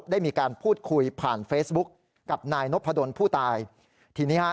ได้มีการพูดคุยผ่านเฟซบุ๊คกับนายนพดลผู้ตายทีนี้ฮะ